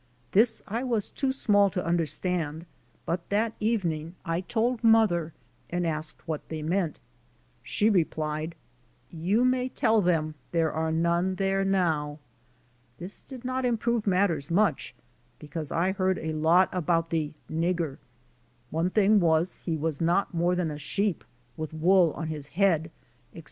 This I was too small to understand but that even ing I told mother and asked what they meant. She replied, ''You may tell them there are none there now." This did not improve matters much ŌĆö ^because I heard a lot about the ''nig ger." One thing was he was not more than a sheep, with wool on his head, etc.